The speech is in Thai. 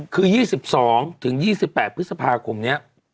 คือ๒๒๘พฤษภาคมนี้